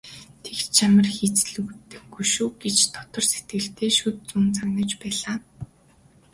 "Тэгж ч амар хийцлүүлэхгүй шүү" дотор сэтгэлдээ шүд зуун занаж байлаа.